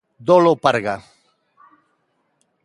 Dolo Parga...